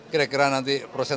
kira kira nanti prosentasinya